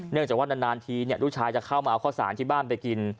จากว่านานทีลูกชายจะเข้ามาเอาข้าวสารที่บ้านไปกิน